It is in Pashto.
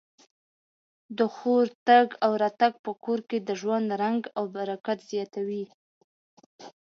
د خور تګ او راتګ په کور کي د ژوند رنګ او برکت زیاتوي.